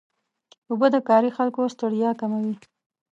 اوبه د کاري خلکو ستړیا کموي.